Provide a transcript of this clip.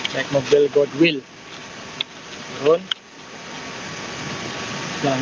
kayak mobil godwill turun